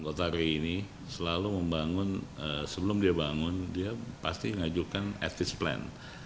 jadi kalau anggota ri ini selalu membangun sebelum dia bangun dia pasti ngajukan advice plan